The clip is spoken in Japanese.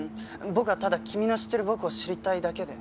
僕はただ君の知ってる僕を知りたいだけで。